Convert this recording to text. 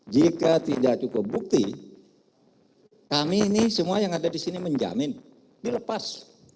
jika tidak cukup bukti kami ini semua yang ada di sini menjamin dilepas